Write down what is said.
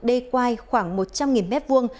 đê quai khoảng một trăm linh m hai